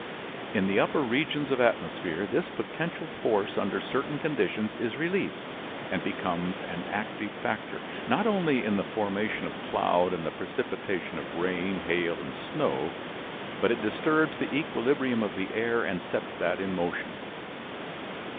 In the upper regions of atmosphere this potential force under certain conditions is released and becomes an active factor, not only in the formation of cloud and the precipitation of rain, hail, and snow, but it disturbs the equilibrium of the air and sets that in motion.